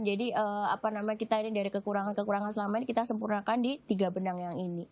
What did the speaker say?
jadi apa namanya kita ini dari kekurangan kekurangan selama ini kita sempurnakan di tiga benang yang ini